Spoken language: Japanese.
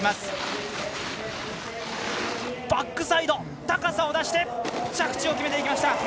バックサイド、高さを出して着地を決めていきました。